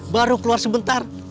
baru keluar sebentar